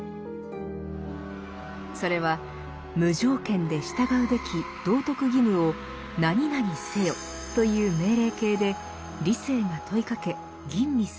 それは無条件で従うべき道徳義務を「何々せよ」という命令形で理性が問いかけ吟味するもの。